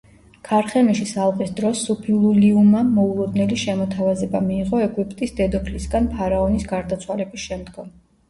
ქარხემიშის ალყის დროს სუფილულიუმამ მოულოდნელი შემოთავაზება მიიღო ეგვიპტის დედოფლისგან ფარაონის გარდაცვალების შემდგომ.